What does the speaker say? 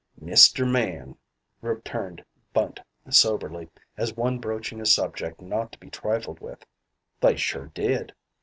"Mister Man," returned Bunt soberly, as one broaching a subject not to be trifled with, "They sure did.